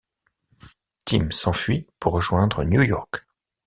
Tim s'enfuit pour rejoindre New York.